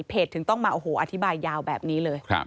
เพจถึงต้องมาอธิบายยาวแบบนี้เลย